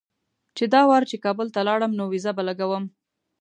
چې دا وار چې کابل ته لاړم نو ویزه به لګوم.